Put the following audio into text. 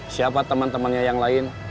siapa teman temannya yang lain